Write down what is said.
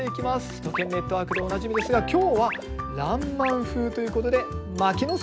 「首都圏ネットワーク」でおなじみですが今日は「らんまん」風ということで牧野さん